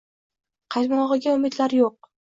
Qaytmog’iga umidlar yo’q…